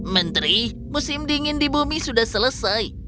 menteri musim dingin di bumi sudah selesai